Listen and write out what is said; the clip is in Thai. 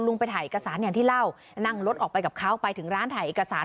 ไปถ่ายเอกสารอย่างที่เล่านั่งรถออกไปกับเขาไปถึงร้านถ่ายเอกสาร